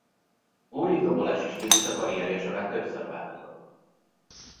Ulrich dobolási stílusa karrierje során többször változott.